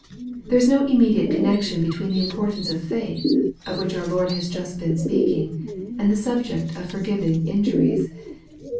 There is no immediate connection between the importance of faith, of which our Lord had just been speaking, and the subject jf forgiving injuries.